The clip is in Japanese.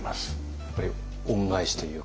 やっぱり恩返しというか。